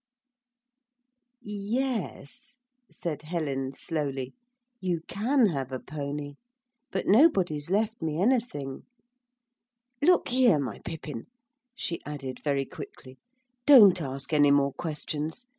'Yes,' said Helen slowly, 'you can have a pony; but nobody's left me anything. Look here, my Pippin,' she added, very quickly, 'don't ask any more questions.